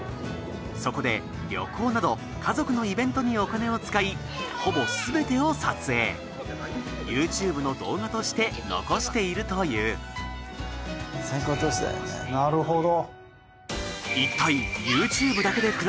そこで旅行などカゾクのイベントにお金を使いほぼ全てを撮影ＹｏｕＴｕｂｅの動画として残しているというなるほど。